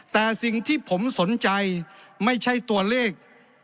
แต่สิ่งที่ผมสนใจไม่ใช่ตัวเลข